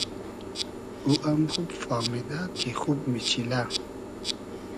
او ام خوب فامیدۂ کی خوب میچیلۂ